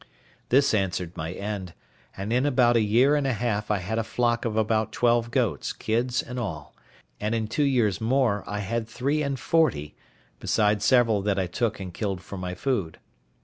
This answered my end, and in about a year and a half I had a flock of about twelve goats, kids and all; and in two years more I had three and forty, besides several that I took and killed for my food.